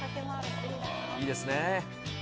いいですね。